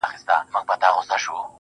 د کلي حوري په ټول کلي کي لمبې جوړي کړې.